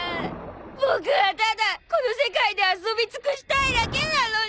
僕はただこの世界で遊び尽くしたいだけなのに。